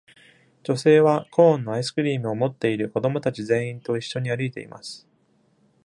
女性はコーンのアイスクリームを持っている子供達全員と一緒に歩いています。